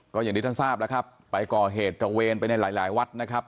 ก็อย่างที่ท่านทราบแล้วครับไปก่อเหตุตระเวนไปในหลายวัดนะครับ